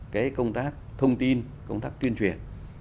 cái công tác thông tin công tác tuyên truyền